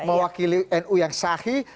mewakili nu yang sahih